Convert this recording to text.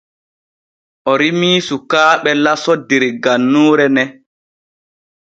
O rimii sukaaɓe laso der gannuure ne.